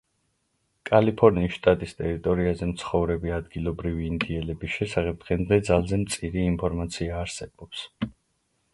კალიფორნიის შტატის ტერიტორიაზე მცხოვრები ადგილობრივი ინდიელების შესახებ დღემდე ძალზე მწირი ინფორმაცია არსებობს.